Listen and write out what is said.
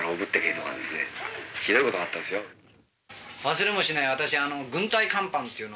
忘れもしない。